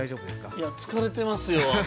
◆いや、疲れてますよ。